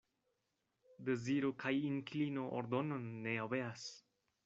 Deziro kaj inklino ordonon ne obeas.